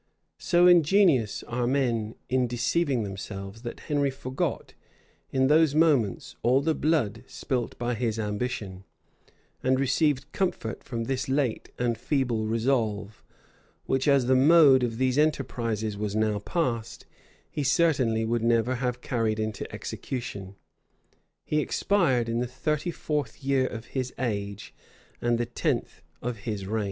[] So ingenious are men in deceiving themselves, that Henry forgot, in those moments, all the blood spilt by his ambition; and received comfort from this late and feeble resolve, which, as the mode of these enterprises was now passed, he certainly would never have carried into execution. He expired in the thirty fourth year of his age and the tenth of his reign.